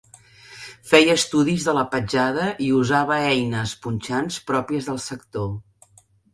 Feia estudis de la petjada i usava eines punxants pròpies del sector.